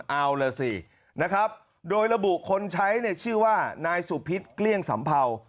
เอาล่ะสินะครับโดยระบุคนใช้เนี่ยชื่อว่านายสุพิษเกลี้ยงสัมเภา